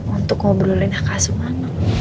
untuk ngobrolin hak asuhan